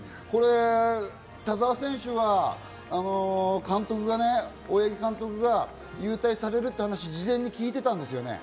田澤選手は監督がね、大八木監督が勇退されるって話、事前に聞いてたんですよね？